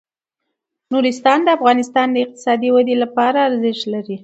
نورستان د افغانستان د اقتصادي ودې لپاره ارزښت لري.